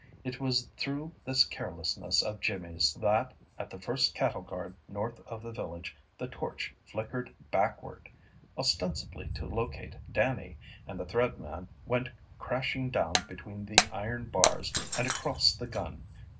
It was through this carelessness of Jimmy's that at the first cattle guard north of the village the torch flickered backward, ostensibly to locate Dannie, and the Thread Man went crashing down between the iron bars, and across the gun.